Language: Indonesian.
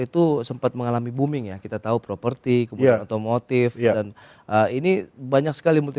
itu sempat mengalami booming ya kita tahu properti kemudian otomotif dan ini banyak sekali multi